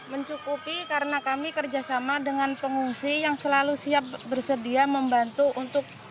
mencukupi karena kami kerjasama dengan pengungsi yang selalu siap bersedia membantu untuk